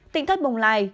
tỉnh thất bồng lai